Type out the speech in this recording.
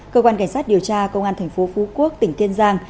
cơ quan cảnh sát điều tra công an tp phú quốc tỉnh tiên giang